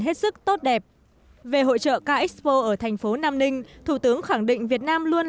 hết sức tốt đẹp về hội trợ k expo ở thành phố nam ninh thủ tướng khẳng định việt nam luôn